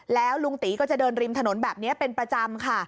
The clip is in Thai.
แล้วลุงตีก็จะเดินริมถนนแบบนี้เป็นประจำค่ะ